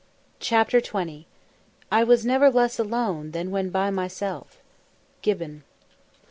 CHAPTER XX "I was never less alone than when by myself." GIBBON.